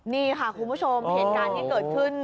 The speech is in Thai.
นี่ค่ะคุณผู้ชมเหตุการณ์ที่เกิดขึ้น